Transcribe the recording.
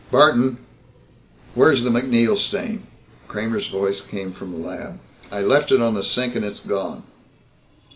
"Barton! Where is the MacNeal stain!" Kramer's voice came from the lab. "I left it on the sink and it's gone!"